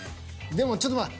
でもちょっと待って。